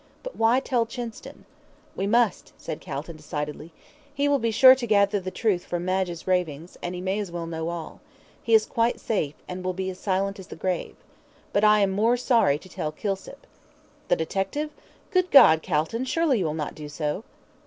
But why tell Chinston?" "We must," said Calton, decidedly. "He will be sure to gather the truth from Madge's ravings, and he may as well know all. He is quite safe, and will be silent as the grave. But I am more sorry to tell Kilsip." "The detective? Good God, Calton, surely you will not do so!"